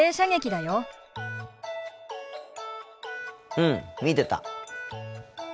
うん見てた。